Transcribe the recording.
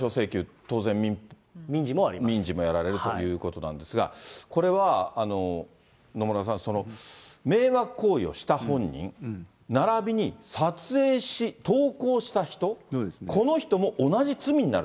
当然民事もやられるということなんですが、これは野村さん、迷惑行為をした本人、ならびに撮影し、投稿した人、この人も同じ罪になる。